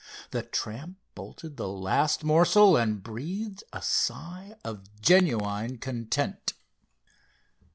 The tramp bolted the last morsel, and breathed a sigh of genuine content.